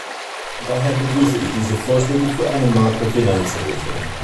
Daher begrüße ich diese Vorschläge für eine Makrofinanzhilfe.